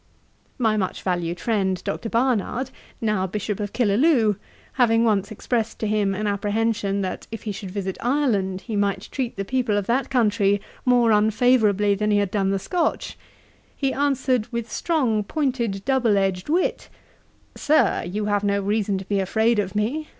My much valued friend Dr. Barnard, now Bishop of Killaloe, having once expressed to him an apprehension, that if he should visit Ireland he might treat the people of that country more unfavourably than he had done the Scotch; he answered, with strong pointed double edged wit, 'Sir, you have no reason to be afraid of me.